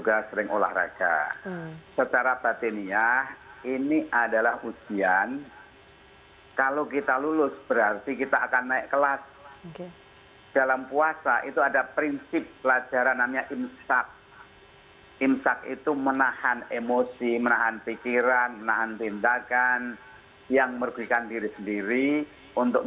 ada penjelasan ataupun